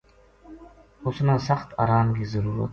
اس نا سخت آرام کی ضرورت